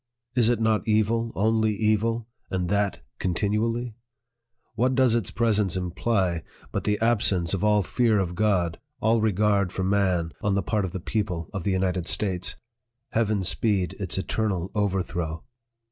Is it not evil, only evil, and that con tinually ? What does its presence imply but the ab sence of all fear of God, all regard for man, on the part of the people of the United States ? Heaven speed its eternal overthrow